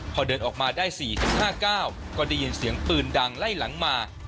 พอเดินออกมาได้๔๕๙ก็ได้ยินเสียงปืนดังไล่หลังมา